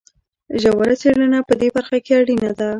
ژوره څېړنه په دې برخه کې اړینه ده.